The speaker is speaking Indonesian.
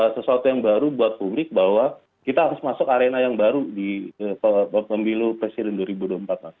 sesuatu yang baru buat publik bahwa kita harus masuk arena yang baru di pemilu presiden dua ribu dua puluh empat mas